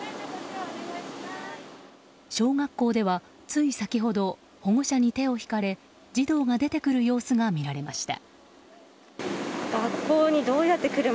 小学校ではつい先ほど保護者に手を引かれ児童が出てくる様子が見られました。